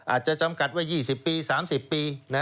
อาจจะจำกัดว่า๒๐ปี๓๐ปี